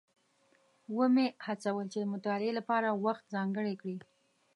ومې هڅول چې د مطالعې لپاره وخت ځانګړی کړي.